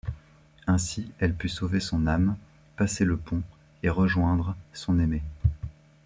Ainsi elle put sauver son âme, passer le pont et rejoindre son aimé.